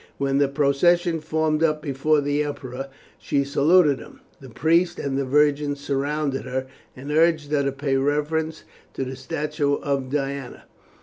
When the procession formed up before the emperor, she saluted him. The priest and the virgins surrounded her, and urged her to pay reverence to the statue of Diana.